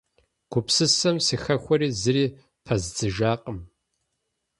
Гупсысэм сыхэхуэри зыри пэздзыжакъым.